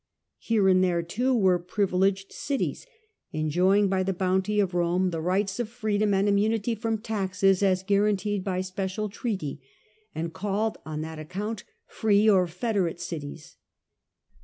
Here and there, too, were privileged cities enjoying by the bounty of Rome the rights of freedom Life in the Provinces, 183 and immunity from taxes as guaranteed by special treaty, and called on that account free or federate cities.